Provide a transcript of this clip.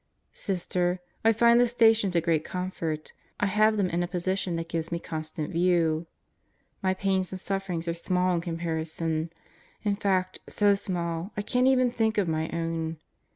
Sister, I find the Stations a great comfort. I have them in a position that gives me constant view. My pains and sufferings are small in comparison. In fact, so small, I can't even think of my own.